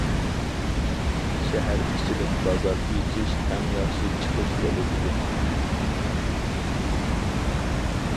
شەھەر ئىچىدىن بازار ئېچىش ئەڭ ياخشى چىقىش يولى ئىدى.